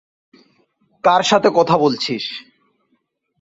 কার সাথে কথা বলছিস?